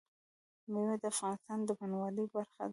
مېوې د افغانستان د بڼوالۍ برخه ده.